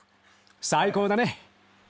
最高だね。